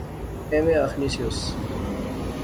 ایویں آخنی سیوس